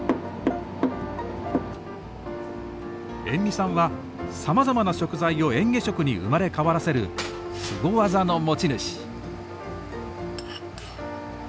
延味さんはさまざまな食材をえん下食に生まれ変わらせるスゴ技の持ち主。